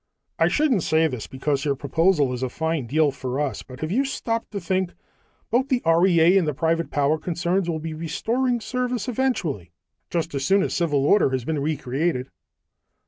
"I shouldn't say this, because your proposal is a fine deal for us, but have you stopped to think? Both the REA and the private power concerns will be restoring service eventually, just as soon as civil order has been recreated."